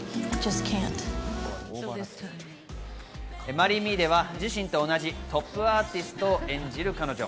『マリー・ミー』では自身と同じトップアーティストを演じる彼女。